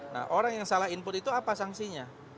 nah orang yang salah input itu apa sanksinya